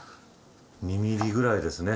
２ｍｍぐらいですね。